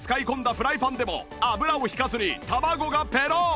フライパンでも油も引かずに卵がペロン！